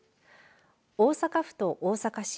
大阪府と大阪市